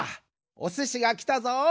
おすしがきたぞ。